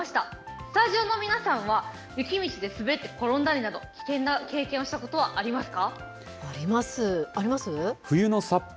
スタジオの皆さんは、雪道で滑って転んだりなど、危険な経験をしたことはありますか？